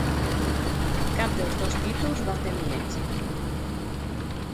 Cap dels dos títols va tenir èxit.